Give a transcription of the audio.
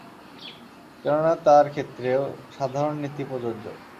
কেননা তার ক্ষেত্রেও সাধারণ নীতি প্রযোজ্য।